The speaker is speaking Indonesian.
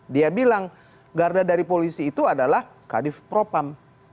dia bilang garda dari polisi itu adalah kadif propam